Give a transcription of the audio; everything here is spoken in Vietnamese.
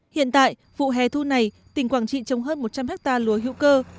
hiện tại vụ hè thu này tỉnh quảng trị trồng hơn một trăm linh hectare lúa hữu cơ